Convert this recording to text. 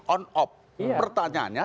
on off pertanyaannya